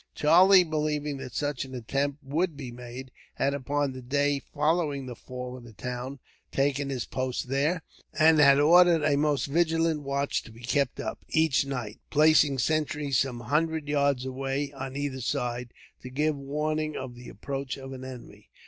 Charlie, believing that such an attempt would be made, had upon the day following the fall of the town taken his post there, and had ordered a most vigilant watch to be kept up, each night; placing sentries some hundred yards away, on either side, to give warning of the approach of an enemy.